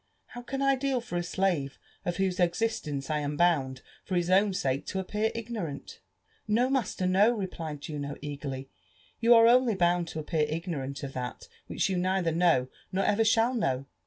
How can I deal for a slave of Whose existence I am bound, for his own sake, to appear ignorant?" " No, master, no," replied Juno eagerly; you are only bound lo tippear Ignorant of that which you neither know, nor ever shall know.